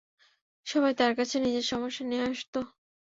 সবাই তার কাছে নিজের সমস্যা নিয়ে আসতো।